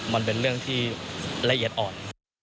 มันเป็นเรื่องที่ละเอียดอ่อน